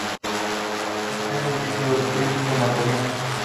Ostenta el título de Príncipe Napoleón.